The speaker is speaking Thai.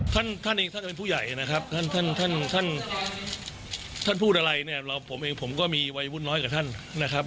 ท่านท่านเองท่านจะเป็นผู้ใหญ่นะครับท่านท่านพูดอะไรเนี่ยเราผมเองผมก็มีวัยวุ่นน้อยกว่าท่านนะครับ